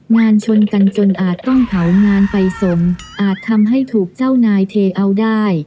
งานชนกันจนอาจต้องเผางานไฟสนอาจทำให้ถูกเจ้านายเทเอาได้